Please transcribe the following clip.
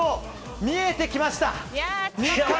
見えてきました！